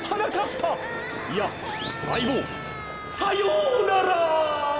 ぱいやあいぼうさようなら！